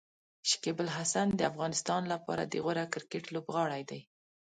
شکيب الحسن د افغانستان لپاره د غوره کرکټ لوبغاړی دی.